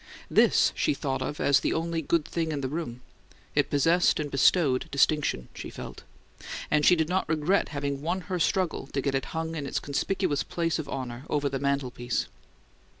This she thought of as "the only good thing in the room"; it possessed and bestowed distinction, she felt; and she did not regret having won her struggle to get it hung in its conspicuous place of honour over the mantelpiece.